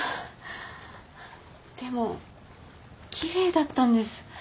でも奇麗だったんです。